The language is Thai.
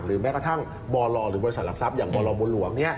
หรือแม้กระทั่งบ่อลหรือบริษัทหลักทรัพย์อย่างบ่อลบุหรวงศ์